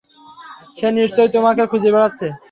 সে নিশ্চয়ই তোমাকে খুঁজে বেড়াচ্ছে।